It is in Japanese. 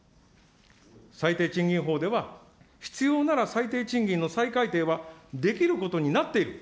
最低賃金法では、必要なら最低賃金の再改定はできることになっている。